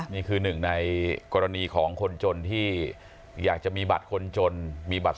นี่คือหนึ่งในกรณีของคนจนที่อยากจะมีบัตรคนจนมีบัตร